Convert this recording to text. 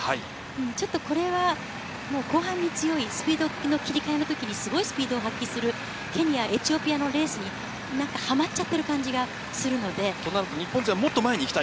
ちょっとこれは、後半に強いスピードの切り替えの時にすごいスピードを発揮するケニア、エチオピアのレースにはまっちゃってる感じがするので。